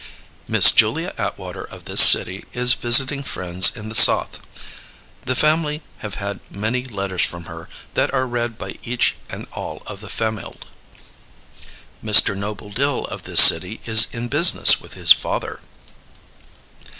Miss Julia Atwater of this City is visiting friends in the Soth. The family have had many letters from her that are read by each and all of the famild. Mr. Noble Dill of this City is in business with his Father.